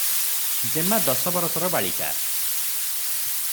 ଯେମା ଦଶ ବରଷର ବାଳିକା ।